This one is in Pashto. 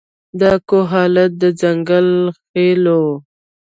د کوهاټ د ځنګل خېلو و.